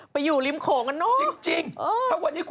ไปอยู่ริมโขลงขนาดนึง